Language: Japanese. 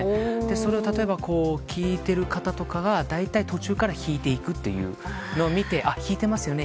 それを例えば聞いている方とかが大体、途中から引いていくというのを見てあ、引いてますよね